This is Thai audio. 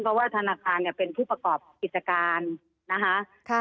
เพราะว่าธนาคารเนี่ยเป็นผู้ประกอบกิจการนะคะ